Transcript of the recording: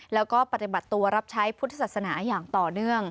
แล้วก็ปฏิบัติตัวรับใช้พุทธศาสนาอย่างต่อเนื่อง